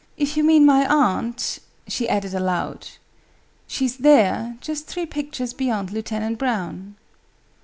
"If you mean my aunt," she added aloud, "she's there just three pictures beyond Lieutenant Brown."